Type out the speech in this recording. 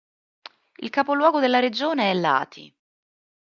Il capoluogo della regione è Lahti.